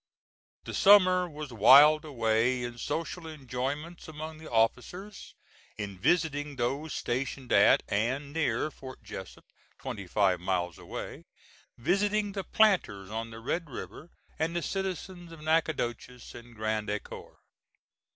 The summer was whiled away in social enjoyments among the officers, in visiting those stationed at, and near, Fort Jessup, twenty five miles away, visiting the planters on the Red River, and the citizens of Natchitoches and Grand Ecore.